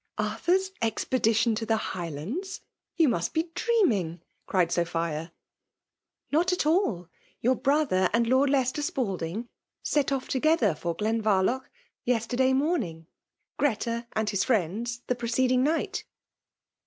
*' Arthur's expedition to the Highlands ?— You must be dreaming !" cried Sophia. " Not at alL Your brother and Lord Lei* tester Spalding set off together for Glenvar loch yesterday morning — Greta and his friends, the preceding night."